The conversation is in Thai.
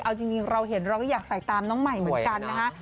เอาจริงเราเห็นเราก็อยากใส่ตามน้องใหม่เหมือนกันนะคะ